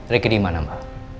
ricky di mana mbak